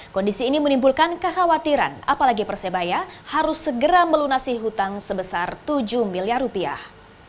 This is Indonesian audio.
kondisi ini menimbulkan kekhawatiran apalagi persebaya harus segera melunasi hutang sebesar tujuh miliar rupiah